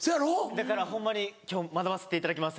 だからホンマに今日学ばせていただきます